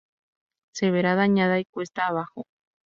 Se verá dañada y cuesta abajo.